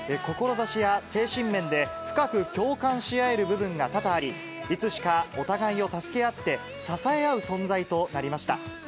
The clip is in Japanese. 志や精神面で、深く共感し合える部分が多々あり、いつしかお互いを助け合って、支え合う存在となりました。